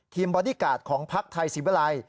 ทีมบอดี้การ์ดของภักดิ์ไทยสิบเวลา